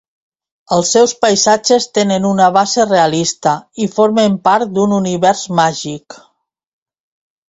Els seus paisatges tenen una base realista i formen part d'un univers màgic.